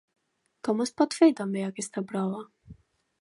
Com es pot fer també aquesta prova?